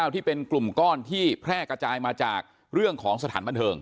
ที่เป็นกลุ่มก้อนที่แพร่กระจายมาจากเรื่องของสถานบันเทิง